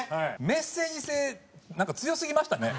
メッセージ性なんか強すぎましたね